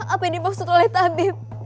apa yang dimaksud oleh tabib